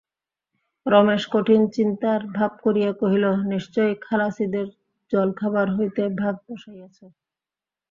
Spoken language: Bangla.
রমেশ কঠিন চিন্তার ভাব করিয়া কহিল, নিশ্চয়ই খালাসিদের জলখাবার হইতে ভাগ বসাইয়াছ।